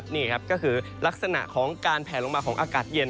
นี่ครับก็คือลักษณะของการแผลลงมาของอากาศเย็น